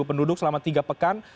penduduk selama tiga pekan